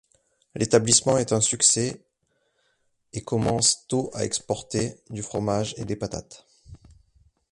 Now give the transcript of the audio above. L'établissement est un succès est commence tôt à exporter du fromage et des patates.